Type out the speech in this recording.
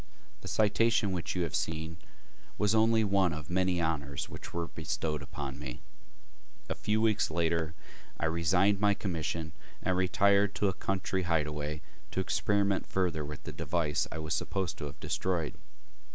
The citation which you have seen was only one of the many honors which were bestowed upon me. A few weeks later I resigned my commission and retired to a country hideaway to experiment further with the device I was supposed to have destroyed.